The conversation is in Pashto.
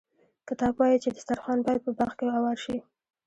کتاب وايي چې دسترخوان باید په باغ کې اوار شي.